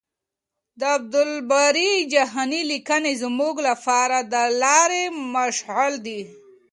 د عبدالباري جهاني لیکنې زموږ لپاره د لارې مشال دي.